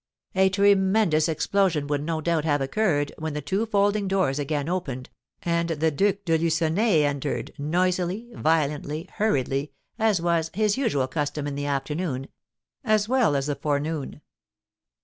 A tremendous explosion would no doubt have occurred, when the two folding doors again opened, and the Duc de Lucenay entered, noisily, violently, hurriedly, as was "his usual custom in the afternoon," as well as the forenoon.